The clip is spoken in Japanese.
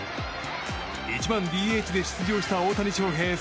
１番ＤＨで出場した大谷翔平